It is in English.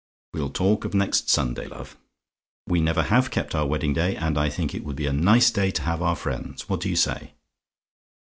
We'll talk of next Sunday, love. We never have kept our wedding day, and I think it would be a nice day to have our friends. What do you say?